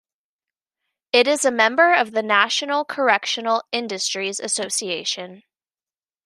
It is a member of the National Correctional Industries Association.